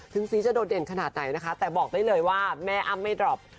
สีจะโดดเด่นขนาดไหนนะคะแต่บอกได้เลยว่าแม่อ้ำไม่ดรอป